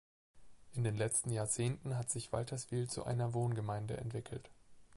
In den letzten Jahrzehnten hat sich Walterswil zu einer Wohngemeinde entwickelt.